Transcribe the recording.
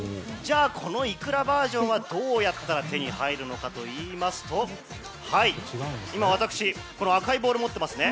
このイクラバージョンはどうやったら手に入るのかというと今、私赤いボールを持っていますね。